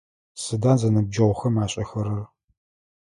Сыда зэныбджэгъухэм ашӏэхэрэр?